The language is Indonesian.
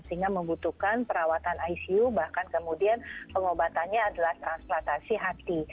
sehingga membutuhkan perawatan icu bahkan kemudian pengobatannya adalah transplantasi hati